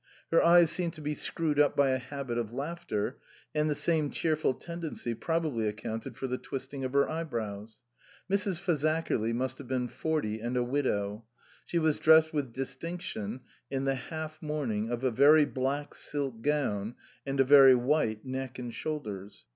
Her eyes seemed to be screwed up by a habit of laughter, and the same cheerful tendency probably accounted for the twisting of her eyebrows. Mrs. Fazakerly must have been forty and a widow. She was dressed with dis tinction in the half mourning of a very black silk gown and a very white neck and shoulders.